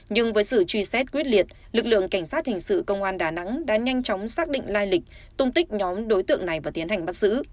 nhưng với sự truy xét quyết liệt lực lượng cảnh sát hình sự công an đà nẵng đã nhanh chóng xác định lai lịch tung tích nhóm đối tượng này và tiến hành bắt giữ